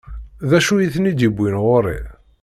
D acu i ten-id-iwwin ɣur-i?